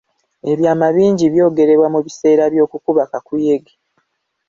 Ebyama bingi byogerebwa mu biseera by'okukuba kakuyege.